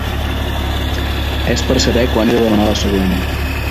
És per saber quan he de demanar la següent.